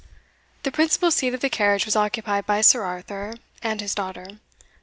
The principal seat of the carriage was occupied by Sir Arthur and his daughter.